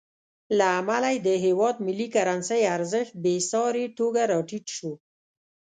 له امله یې د هېواد ملي کرنسۍ ارزښت بېساري توګه راټیټ شو.